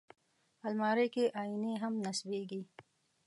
الماري کې آیینې هم نصبېږي